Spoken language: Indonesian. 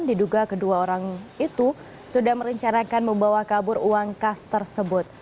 diduga kedua orang itu sudah merencanakan membawa kabur uang kas tersebut